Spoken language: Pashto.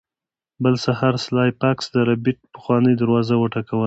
بل سهار سلای فاکس د ربیټ پخوانۍ دروازه وټکوله